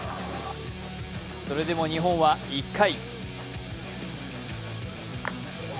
それでも日本は１回。